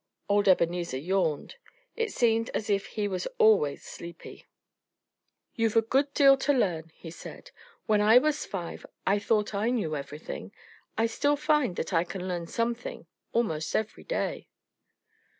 Old Ebenezer yawned. It seemed as if he was always sleepy. "You've a good deal to learn," he said. "When I was five I thought I knew everything.... I still find that I can learn something almost every day."